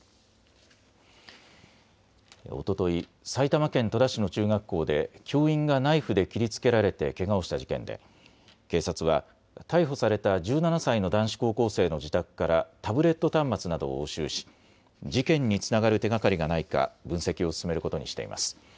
おととい、埼玉県戸田市の中学校で教員がナイフで切りつけられてけがをした事件で警察は逮捕された１７歳の男子高校生の自宅からタブレット端末などを押収し事件につながる手がかりがないか分析を進めることにしています。